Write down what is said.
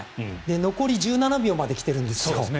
残り１７秒まで来てるんですよ。